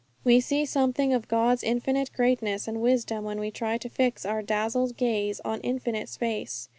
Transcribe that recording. _' We see something of God's infinite greatness and wisdom when we try to fix our dazzled gaze on infinite space.